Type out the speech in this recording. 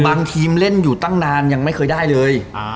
บางทีมเล่นอยู่ตั้งนานยังไม่เคยได้เลย